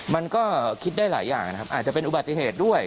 มันก็คิดได้หลายอย่างนะครับอาจจะเป็นอุบัติเหตุด้วย